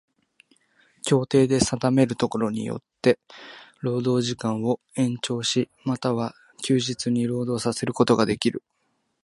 協定で定めるところによつて労働時間を延長し、又は休日に労働させることができる。